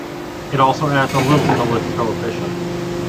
It also adds a little to lift coefficient.